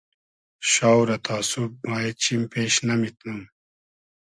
شاو رہ تا سوب ما اېد چیم پېش نئمیتنوم